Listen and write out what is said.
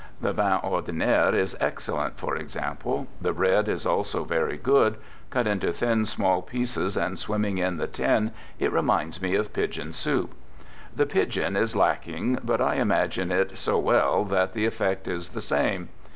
The 1 vin ordinaire is excellent, for example. The bread I is also very good ; cut into thin small pieces and | swimming in the tin, it reminds me of pigeon soup. ; The pigeon is lacking, but I imagine it so well that • the effect is the same.